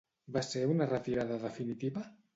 Va ser una retirada definitiva?